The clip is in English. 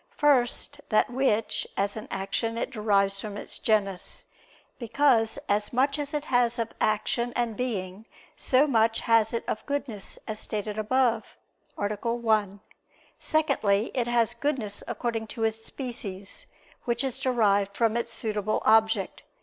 First, that which, as an action, it derives from its genus; because as much as it has of action and being so much has it of goodness, as stated above (A. 1). Secondly, it has goodness according to its species; which is derived from its suitable object.